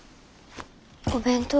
お弁当？